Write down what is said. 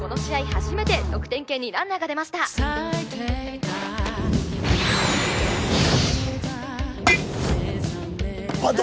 初めて得点圏にランナーが出ましたバント！？